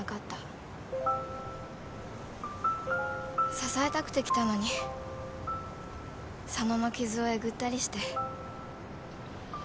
支えたくて来たのに佐野の傷をえぐったりして。